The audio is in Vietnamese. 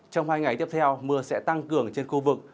trong hai ngày tiếp theo mưa sẽ tăng cường trên khu vực